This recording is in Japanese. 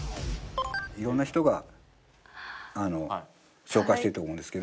色んな人が紹介してると思うんですけど